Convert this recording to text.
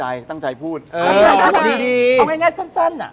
พี่หนุ่มพูดไปแล้ว